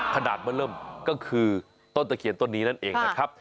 ขนาดเมื่อเริ่มก็คือต้นตะเขียนตัวนี้นั่นเองนะครับ